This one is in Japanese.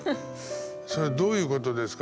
「それどういうことですか？」